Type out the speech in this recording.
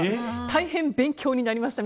大変勉強になりました。